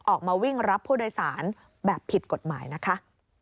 ออกมาวิ่งรับผู้โดยสารแบบผิดกฎหมายนะคะ